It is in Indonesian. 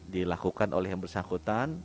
dilakukan oleh yang bersangkutan